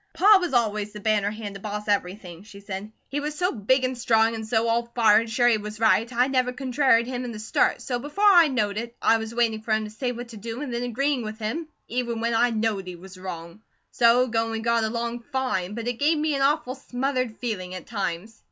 "Pa was always the banner hand to boss everything," she said. "He was so big and strong, and so all fired sure he was right, I never contraried him in the start, so before I knowed it, I was waiting for him to say what to do, and then agreeing with him, even when I knowed he was WRONG. So goin' we got along FINE, but it give me an awful smothered feeling at times."